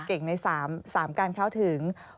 เก่งใน๓การเข้าถึง